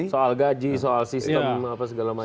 soal gaji soal sistem apa segala macam